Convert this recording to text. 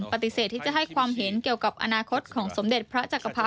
ปฏิเสธที่จะให้ความเห็นเกี่ยวกับอนาคตของสมเด็จพระจักรพรร